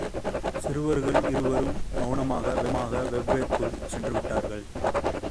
சிறுவர்கள் இருவரும் மௌனமாக வெவ்வேறு அறைக்குள் சென்றுவிட்டார்கள்.